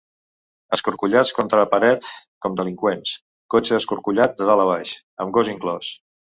Escorcollats contra paret com delinqüents, cotxe escorcollat de dalt a baix, amb gos inclòs.